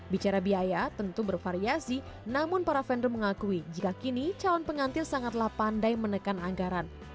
bicara biaya tentu bervariasi namun para vendor mengakui jika kini calon pengantin sangatlah pandai menekan anggaran